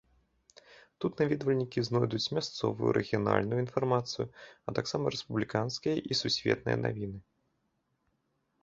Тут наведвальнікі знойдуць мясцовую, рэгіянальную інфармацыю, а таксама рэспубліканскія і сусветныя навіны.